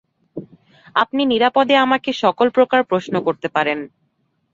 আপনি নিরাপদে আমাকে সকলপ্রকার প্রশ্ন করতে পারেন।